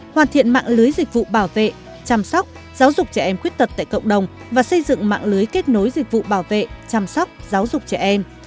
hoàn thiện mạng lưới dịch vụ bảo vệ chăm sóc giáo dục trẻ em khuyết tật tại cộng đồng và xây dựng mạng lưới kết nối dịch vụ bảo vệ chăm sóc giáo dục trẻ em